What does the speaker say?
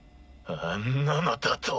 あんなのだと？